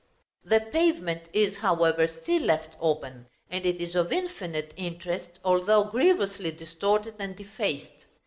The pavement is however still left open, and it is of infinite interest, although grievously distorted and defaced.